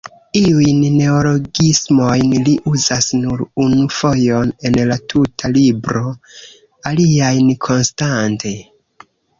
Iujn neologismojn li uzas nur unu fojon en la tuta libro, aliajn konstante.